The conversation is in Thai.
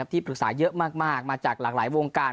ที่ปรึกษาเยอะมากมาจากหลากหลายวงการ